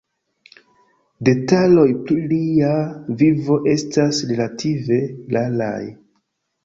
Detaloj pri lia vivo estas relative raraj.